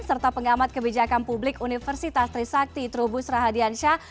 serta pengamat kebijakan publik universitas trisakti trubus rahadiansyah